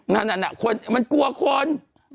นั่นคนนี้มันกลัวขอน